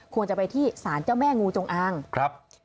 ควรจะไปที่สารเจ้าแม่งูจงอางครับ